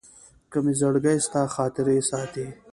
که مي زړګي ستا خاطرې ساتي